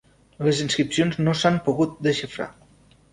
Les inscripcions no s'han pogut desxifrar.